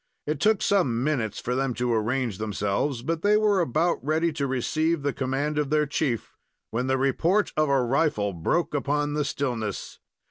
It took some minutes for them to arrange themselves, but they were about ready to receive the command of their chief, when the report of a rifle broke upon the stillness.